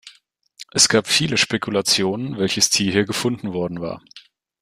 Es gab viele Spekulationen, welches Tier hier gefunden worden war.